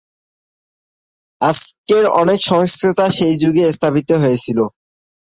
আজকের অনেক সংস্থা সেই যুগে স্থাপিত হয়েছিল।